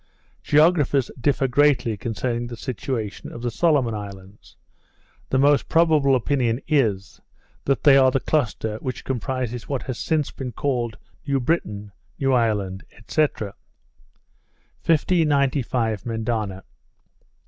Geographers differ greatly concerning the situation of the Solomon Islands. The most probable opinion is, that they are the cluster which comprises what has since been called New Britain, New Ireland, &c. 1595 Mendana.